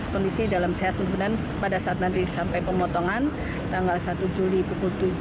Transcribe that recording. kondisi dalam sehat kemudian pada saat nanti sampai pemotongan tanggal satu juli pukul tujuh